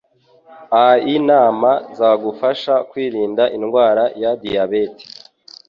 ainama zagufasha kwirinda indwara ya diyabete